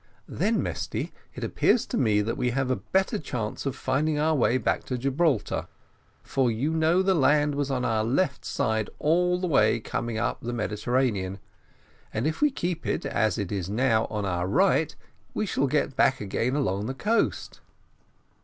"Then, Mesty, it appears to me that we have a better chance of finding our way back to Gibraltar; for you know the land was on our left side all the way coming up the Mediterranean; and if we keep it, as it is now, on our right, we shall get back again along the coast."